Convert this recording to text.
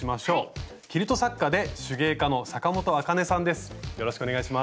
キルト作家で手芸家の阪本あかねさんです。